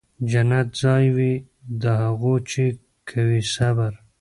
جنت ځای وي د هغو چي کوي صبر